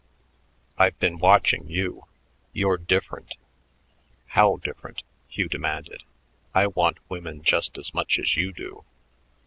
I've been watching you. You're different." "How different?" Hugh demanded. "I want women just as much as you do."